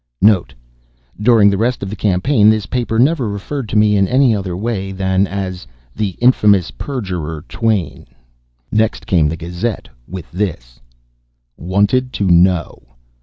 [Mem. During the rest of the campaign this paper never referred to me in any other way than as "the infamous perjurer Twain."] Next came the Gazette, with this: WANTED TO KNOW.